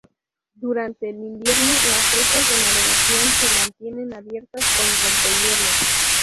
Durante el invierno las rutas de navegación se mantienen abiertas con rompehielos.